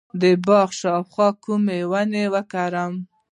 د باغ شاوخوا کومې ونې وکرم؟